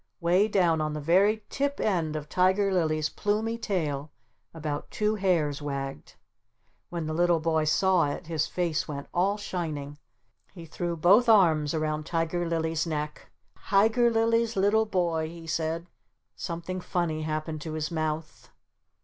Way down on the very tip end of Tiger Lily's plumey tail about two hairs wagged. When the little boy saw it his face went all shining. He threw both arms around Tiger Lily's neck. "T Tiger Lily's little boy!" he said. "T T " Something funny happened to his mouth.